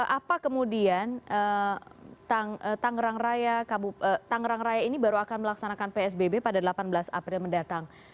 apa kemudian tangerang raya ini baru akan melaksanakan psbb pada delapan belas april mendatang